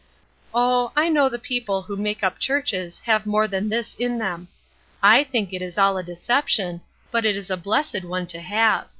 Oh, I know the people who make up churches have more than this in them. I think it is all a deception, but it is a blessed one to have.